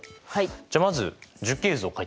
じゃあまず樹形図を書いてみます。